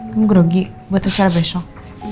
kamu grogi buat acara besok